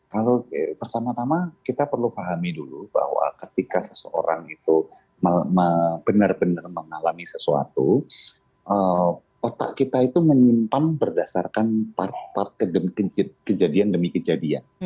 kalau pertama tama kita perlu pahami dulu bahwa ketika seseorang itu benar benar mengalami sesuatu otak kita itu menyimpan berdasarkan part part kejadian demi kejadian